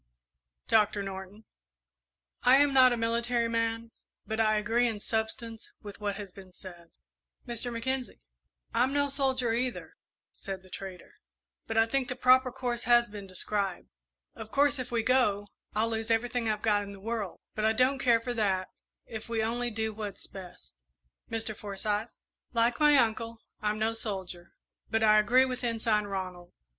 "Doctor Norton?" "I am not a military man, but I agree in substance with what has been said." "Mr. Mackenzie?" "I'm no soldier, either," said the trader, "but I think the proper course has been described. Of course, if we go, I'll lose everything I've got in the world; but I don't care for that, if we only do what's best." "Mr. Forsyth?" "Like my uncle, I'm no soldier, but I agree with Ensign Ronald.